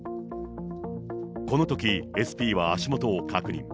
このとき、ＳＰは足元を確認。